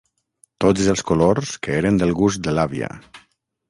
Tots els colors que eren del gust de l'àvia.